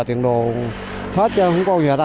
tiền bừa hết chứ không có gì hết à